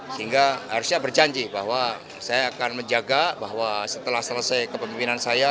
sehingga harusnya berjanji bahwa saya akan menjaga bahwa setelah selesai kepemimpinan saya